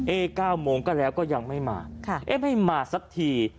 ๙โมงก็แล้วก็ยังไม่มาเอ๊ะไม่มาสักที